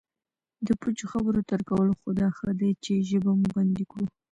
د پوچو خبرو تر کولو خو دا ښه دی چې ژبه مو بندي کړو